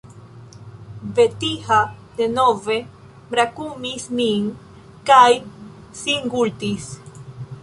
Vetiha denove brakumis min kaj singultis.